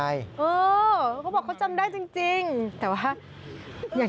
แต่ลุงจำได้แน่นอน